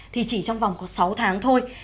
thì chỉ trong vòng có sáu tháng thôi